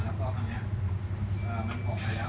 แล้วก็แบบเนี้ยมันขอแบบนี้แล้ว